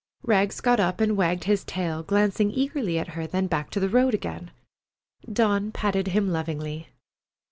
Rags got up and wagged his tail, glancing eagerly at her, then back to the road again. Dawn patted him lovingly.